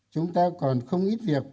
chúng ta còn không ít việc